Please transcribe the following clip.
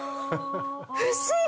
不思議！